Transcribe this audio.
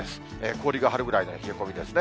氷が張るぐらいの冷え込みですね。